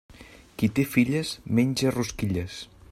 Qui té filles menja rosquilles.